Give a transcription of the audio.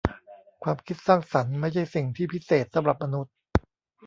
ความคิดสร้างสรรค์ไม่ใช่สิ่งที่พิเศษสำหรับมนุษย์